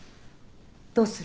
どうする？